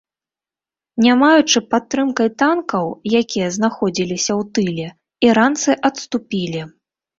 Не маючы падтрымкай танкаў, якія знаходзіліся ў тыле, іранцы адступілі.